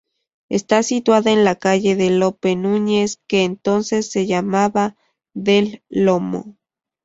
Está situada en la calle de Lope Núñez, que entonces se llamaba del Lomo.